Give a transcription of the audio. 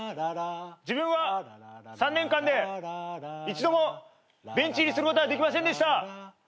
自分は３年間で一度もベンチ入りすることができませんでした。